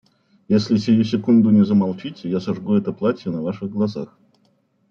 Если сию секунду не замолчите, я сожгу это платье на Ваших глазах!